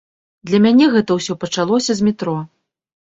Для мяне гэта ўсё пачалося з метро.